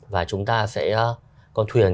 và chúng ta sẽ con thuyền